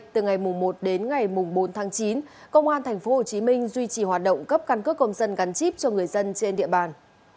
từ ngày một đến ngày bốn tháng chín công an tp hcm duy trì hoạt động cấp căn cước công dân gắn chip cho người dân trên địa bàn